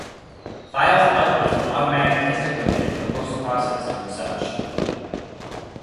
Files output from Automatic Test Equipment or post-processed from such.